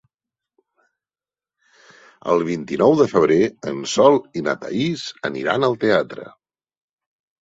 El vint-i-nou de febrer en Sol i na Thaís aniran al teatre.